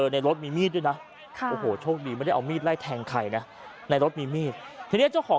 นั่นนั่นนั่นนั่นนั่นนั่น